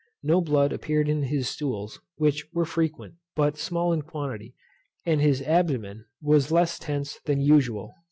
No blood appeared in his stools, which were frequent, but small in quantity; and his Abdomen was less tense than usual.